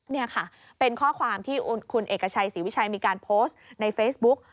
นี่ค่ะเป็นข้อความที่คุณเอกชัยศรีวิชัยมีการโพสต์ในเฟซบุ๊ก